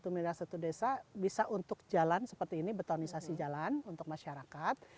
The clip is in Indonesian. satu miliar satu desa bisa untuk jalan seperti ini betonisasi jalan untuk masyarakat